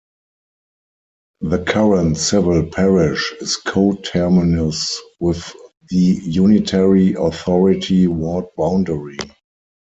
The current civil parish is co-terminous with the unitary authority ward boundary.